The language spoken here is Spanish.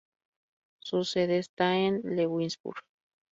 Su sede está en Lewisburg.